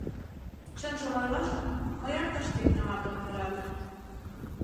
Чынжым ойлаш гын, мыят тыште иктымат ом йӧрате...